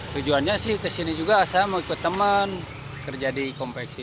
tujuannya sih kesini juga saya mau ikut teman kerja di kompleksi